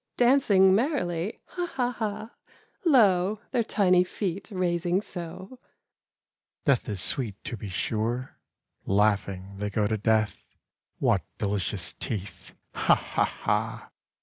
Dancing merrily, ha ! ha ! ha ! Lo, their tiny feet raising so ! Death is sweet, to be sure. Laughing they go to death, Wliat delicious teeth, ha ! ha ! ha